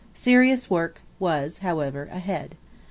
Serious work was, however, ahead.